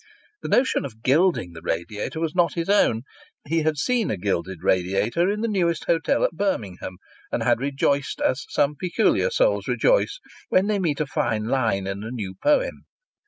The notion of gilding the radiator was not his own; he had seen a gilded radiator in the newest hotel at Birmingham, and had rejoiced as some peculiar souls rejoice when they meet a fine line in a new poem.